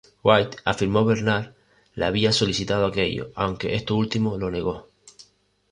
White afirmó Bernhard le había solicitado aquello, aunque este último lo negó.